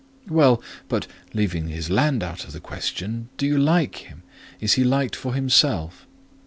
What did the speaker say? "Well, but, leaving his land out of the question, do you like him? Is he liked for himself?"